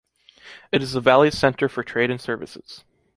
It is the valley’s center for trade and services.